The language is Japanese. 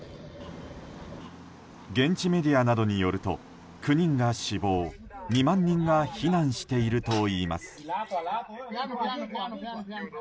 現地メディアなどによると９人が死亡２万人が避難しているといいます。